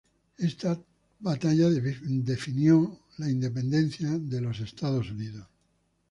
Esta batalla definió la independencia de los Estados Unidos.